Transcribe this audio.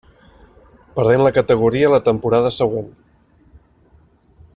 Perdent la categoria la temporada següent.